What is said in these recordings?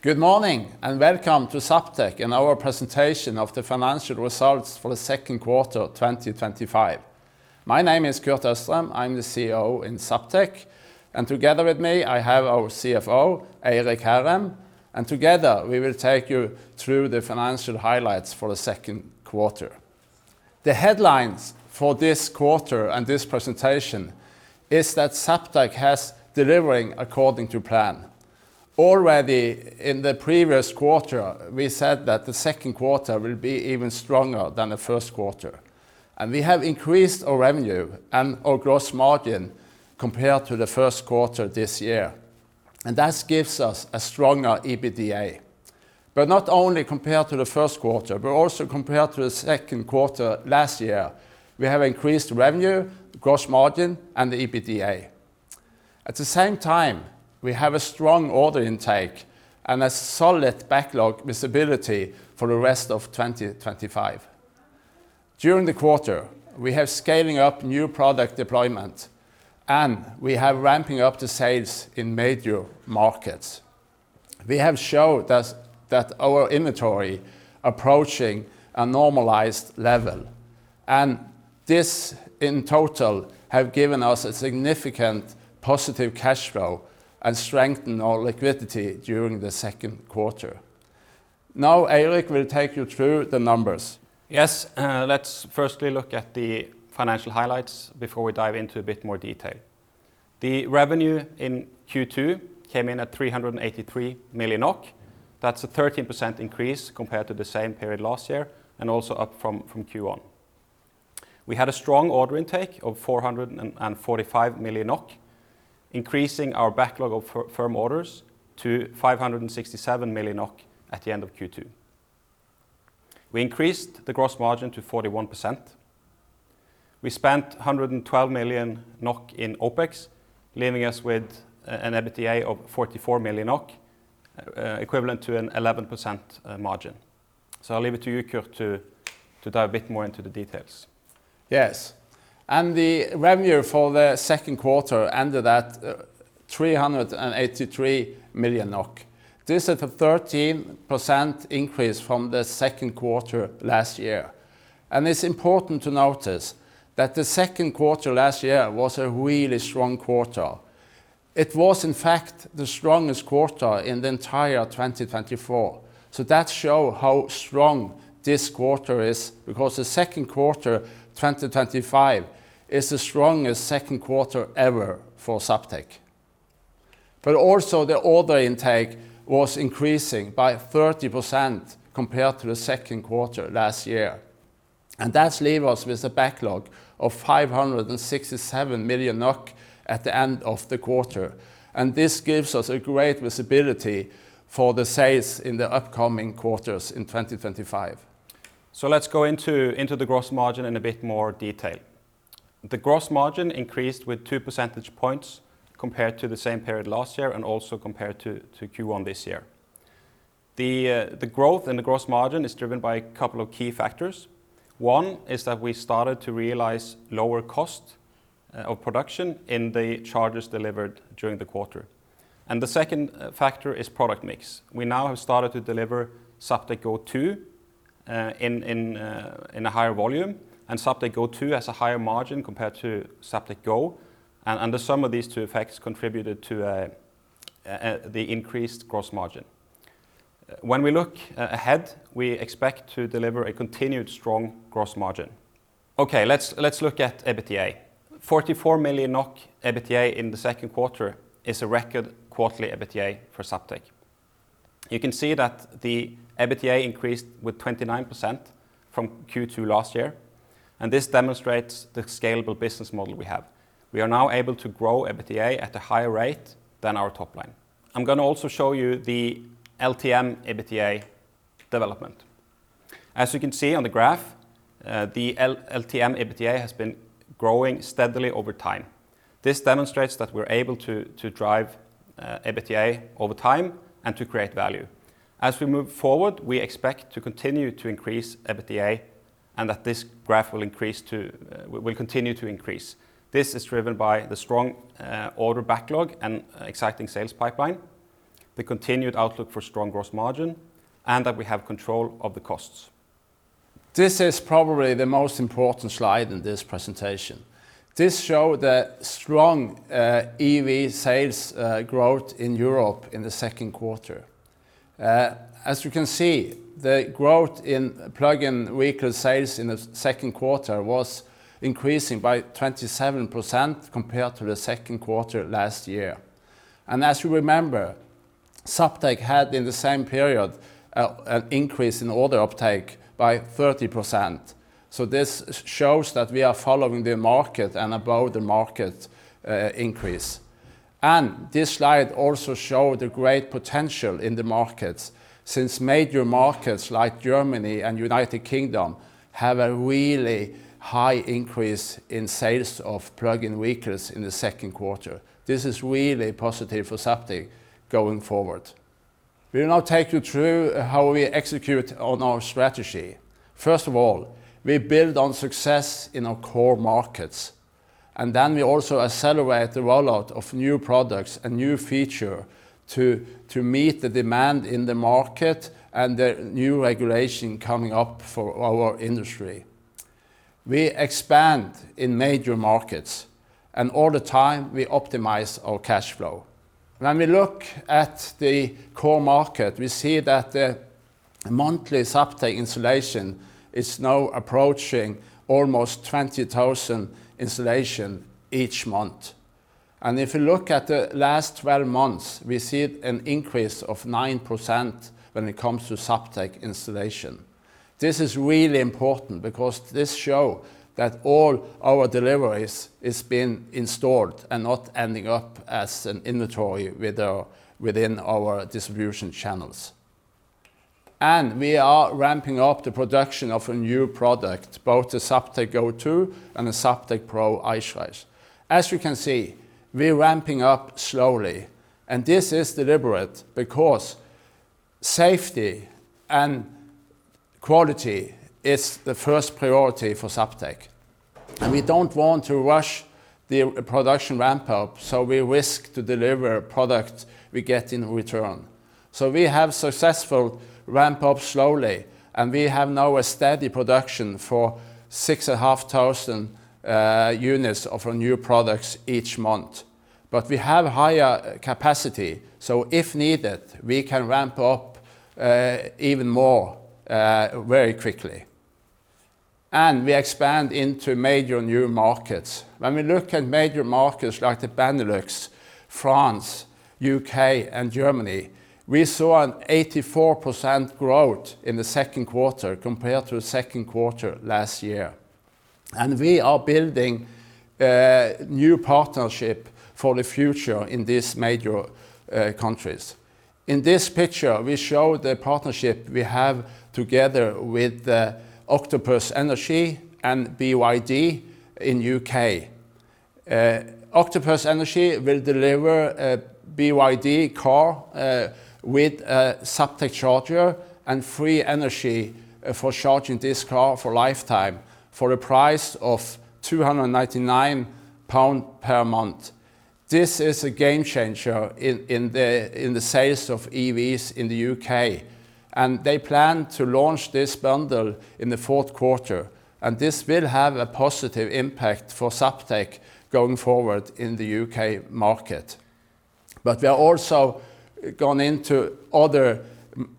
Good morning, and welcome to Zaptec and our presentation of the financial results for the second quarter of 2025. My name is Kurt Østrem. I'm the CEO in Zaptec, and together with me, I have our CFO, Eirik Hærem, and together, we will take you through the financial highlights for the second quarter. The headlines for this quarter and this presentation is that Zaptec has delivering according to plan. Already in the previous quarter, we said that the second quarter will be even stronger than the first quarter. We have increased our revenue and our gross margin compared to the first quarter this year, and that gives us a stronger EBITDA. Not only compared to the first quarter, but also compared to the second quarter last year, we have increased revenue, gross margin, and the EBITDA. At the same time, we have a strong order intake and a solid backlog visibility for the rest of 2025. During the quarter, we have scaling up new product deployment, and we have ramping up the sales in major markets. We have shown that our inventory approaching a normalized level, and this, in total, have given us a significant positive cash flow and strengthened our liquidity during the second quarter. Now, Eirik will take you through the numbers. Let's firstly look at the financial highlights before we dive into a bit more detail. The revenue in Q2 came in at 383 million NOK. That's a 13% increase compared to the same period last year and also up from Q1. We had a strong order intake of 445 million NOK, increasing our backlog of firm orders to 567 million NOK at the end of Q2. We increased the gross margin to 41%. We spent 112 million NOK in OpEx, leaving us with an EBITDA of 44 million NOK, equivalent to an 11% margin. I'll leave it to you, Kurt, to dive a bit more into the details. Yes. The revenue for the second quarter ended at 383 million NOK. This is a 13% increase from the second quarter last year, and it's important to notice that the second quarter last year was a really strong quarter. It was, in fact, the strongest quarter in the entire 2024. That show how strong this quarter is because the second quarter, 2025, is the strongest second quarter ever for Zaptec. Also, the order intake was increasing by 30% compared to the second quarter last year, and that leave us with a backlog of 567 million NOK at the end of the quarter. This gives us a great visibility for the sales in the upcoming quarters in 2025. Let's go into the gross margin in a bit more detail. The gross margin increased with two percentage points compared to the same period last year and also compared to Q1 this year. The growth in the gross margin is driven by a couple of key factors. One is that we started to realize lower cost of production in the charges delivered during the quarter. The second factor is product mix. We now have started to deliver Zaptec Go 2 in a higher volume, and Zaptec Go 2 has a higher margin compared to Zaptec Go. The sum of these two effects contributed to the increased gross margin. When we look ahead, we expect to deliver a continued strong gross margin. Let's look at EBITDA. 44 million NOK EBITDA in the second quarter is a record quarterly EBITDA for Zaptec. You can see that the EBITDA increased with 29% from Q2 last year. This demonstrates the scalable business model we have. We are now able to grow EBITDA at a higher rate than our top line. I'm gonna also show you the LTM EBITDA development. As you can see on the graph, the LTM EBITDA has been growing steadily over time. This demonstrates that we're able to drive EBITDA over time and to create value. As we move forward, we expect to continue to increase EBITDA and that this graph will continue to increase. This is driven by the strong order backlog and exciting sales pipeline, the continued outlook for strong gross margin, and that we have control of the costs. This is probably the most important slide in this presentation. This show the strong EV sales growth in Europe in the second quarter. As you can see, the growth in plug-in vehicle sales in the second quarter was increasing by 27% compared to the second quarter last year. As you remember, Zaptec had, in the same period, an increase in order uptake by 30%. This shows that we are following the market and above the market increase. This slide also show the great potential in the markets since major markets like Germany and United Kingdom. have a really high increase in sales of plug-in vehicles in the second quarter. This is really positive for Zaptec going forward. We will now take you through how we execute on our strategy. First of all, we build on success in our core markets. Then we also accelerate the rollout of new products and new feature to meet the demand in the market and the new regulation coming up for our industry. We expand in major markets, and all the time we optimize our cash flow. When we look at the core market, we see that the monthly Zaptec installation is now approaching almost 20,000 installation each month. If you look at the last 12 months, we see an increase of 9% when it comes to Zaptec installation. This is really important because this show that all our deliveries is being installed and not ending up as an inventory with within our distribution channels. We are ramping up the production of a new product, both the Zaptec Go 2 and the Zaptec Pro. As you can see, we're ramping up slowly. This is deliberate because safety and quality is the first priority for Zaptec. We don't want to rush the production ramp up, so we risk to deliver product we get in return. We have successful ramp up slowly, and we have now a steady production for 6,500 units of our new products each month. We have higher capacity, so if needed, we can ramp up even more very quickly. We expand into major new markets. When we look at major markets like the Benelux, France, U.K., and Germany, we saw an 84% growth in the second quarter compared to second quarter last year. We are building new partnership for the future in these major countries. In this picture, we show the partnership we have together with Octopus Energy and BYD in U.K. Octopus Energy will deliver a BYD car with a Zaptec charger and free energy for charging this car for lifetime for a price of 299 pound per month. This is a game changer in the sales of EVs in the U.K. They plan to launch this bundle in the fourth quarter. This will have a positive impact for Zaptec going forward in the U.K. market. We are also gone into other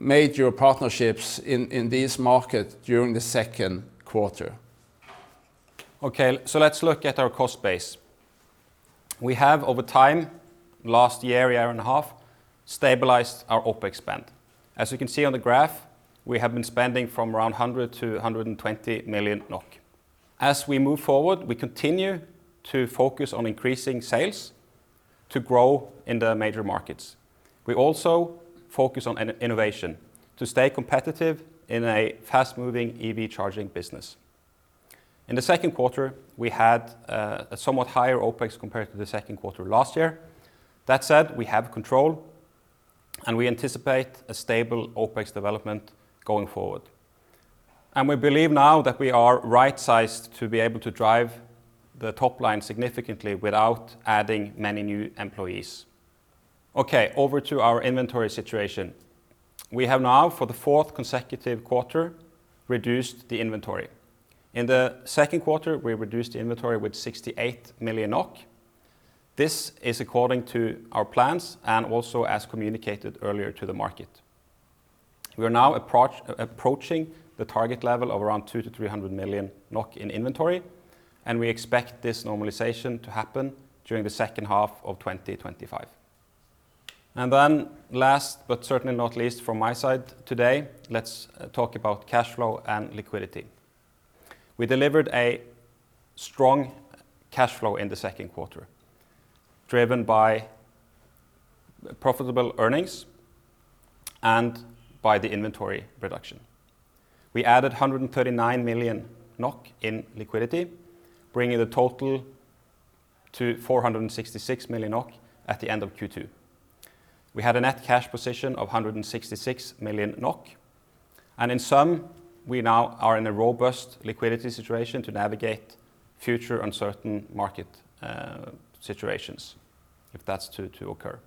major partnerships in this market during the second quarter. Okay, let's look at our cost base. We have over time, last year and a half, stabilized our OpEx spend. As you can see on the graph, we have been spending from around 100 million-120 million NOK. As we move forward, we continue to focus on increasing sales to grow in the major markets. We also focus on innovation to stay competitive in a fast-moving EV charging business. In the second quarter, we had a somewhat higher OpEx compared to the second quarter last year. That said, we have control, and we anticipate a stable OpEx development going forward. We believe now that we are right-sized to be able to drive the top line significantly without adding many new employees. Okay, over to our inventory situation. We have now for the fourth consecutive quarter reduced the inventory. In the second quarter, we reduced the inventory with 68 million NOK. This is according to our plans and also as communicated earlier to the market. We are now approaching the target level of around 200 million-300 million NOK in inventory. We expect this normalization to happen during the second half of 2025. Last, but certainly not least from my side today, let's talk about cash flow and liquidity. We delivered a strong cash flow in the second quarter, driven by profitable earnings and by the inventory reduction. We added 139 million NOK in liquidity, bringing the total to 466 million NOK at the end of Q2. We had a net cash position of 166 million NOK. In sum, we now are in a robust liquidity situation to navigate future uncertain market situations, if that's to occur.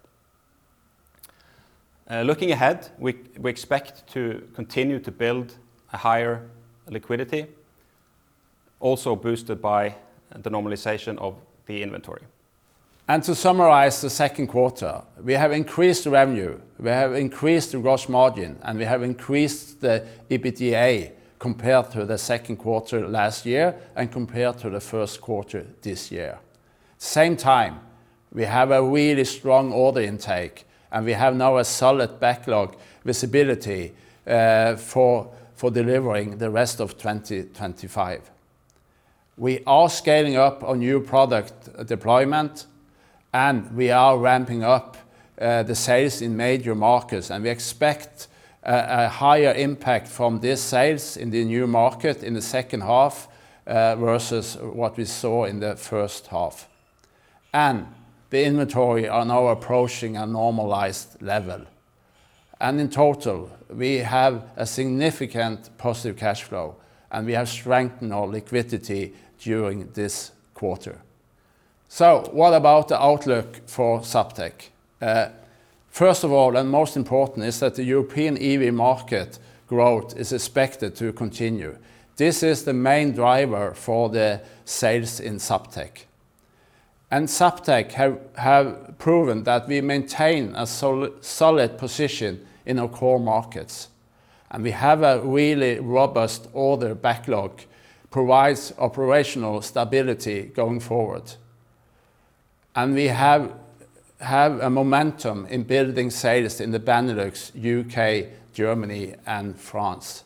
Looking ahead, we expect to continue to build a higher liquidity, also boosted by the normalization of the inventory. To summarize the second quarter, we have increased revenue, we have increased the gross margin, and we have increased the EBITDA compared to the second quarter last year and compared to the first quarter this year. Same time, we have a really strong order intake, and we have now a solid backlog visibility for delivering the rest of 2025. We are scaling up our new product deployment, and we are ramping up the sales in major markets, and we expect a higher impact from these sales in the new market in the second half versus what we saw in the first half. The inventory are now approaching a normalized level. In total, we have a significant positive cash flow, and we have strengthened our liquidity during this quarter. What about the outlook for Zaptec? First of all, most important, is that the European EV market growth is expected to continue. This is the main driver for the sales in Zaptec. Zaptec have proven that we maintain a solid position in our core markets, we have a really robust order backlog, provides operational stability going forward. We have a momentum in building sales in the Benelux, U.K., Germany, and France.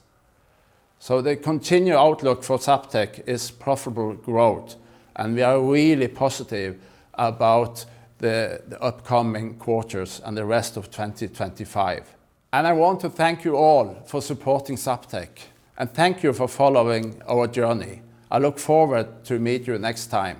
The continued outlook for Zaptec is profitable growth, and we are really positive about the upcoming quarters and the rest of 2025. I want to thank you all for supporting Zaptec, thank you for following our journey. I look forward to meet you next time.